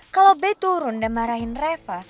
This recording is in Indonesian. kalau b turun dan marahin reva